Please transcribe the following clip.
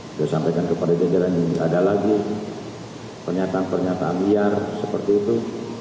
saya sampaikan kepada jajaran ini ada lagi pernyataan pernyataan liar seperti itu